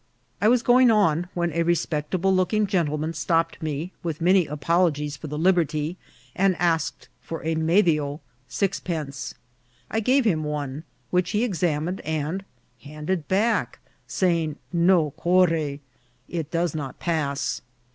I was going on, when a respectable looking gentleman stopped me, with many apologies for the liberty, and asked for a medio, sixpence. I gave him one, which he examined and handed back, saying, " No corre," " it does not pass."